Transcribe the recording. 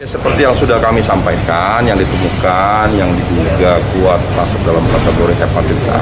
seperti yang sudah kami sampaikan yang ditemukan yang dibuka kuat dalam kategori hepatitis a